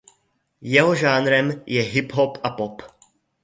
Jeho žánrem je hip hop a pop.